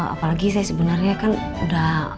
apalagi saya sebenarnya kan udah